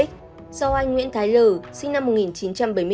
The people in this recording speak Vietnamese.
do anh nguyễn thái lờ sinh năm một nghìn chín trăm bảy mươi chín